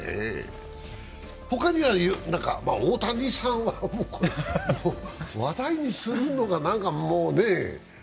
他には大谷さんはもう話題にするのがもうねぇ。